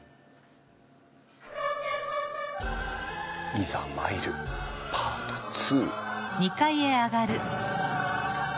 いざ参るパート２。